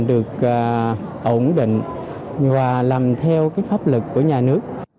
để được ổn định và làm theo pháp lực của nhà nước